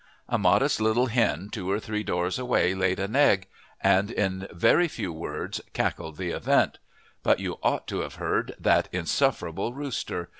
A modest little hen two or three doors away laid an egg, and in very few words cackled the event; but you ought to have heard that insufferable rooster!